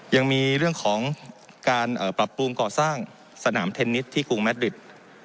ยังมีเรื่องของการปรับปรุงก่อสร้างสนามเทนนิสที่กรุงแมทดริด